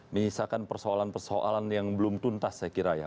misalkan persoalan persoalan yang belum tuntas saya kira ya